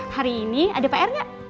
hari ini ada pr nggak